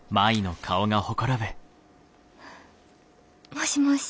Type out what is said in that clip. もしもし。